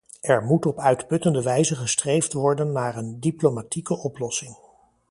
Er moet op uitputtende wijze gestreefd worden naar een diplomatieke oplossing.